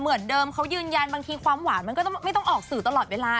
เหมือนเดิมเขายืนยันบางทีความหวานมันก็ไม่ต้องออกสื่อตลอดเวลา